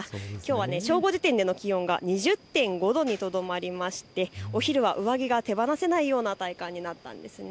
正午時点での気温が２０．５度にとどまりまして、お昼は上着が手放せないような体感になったんです。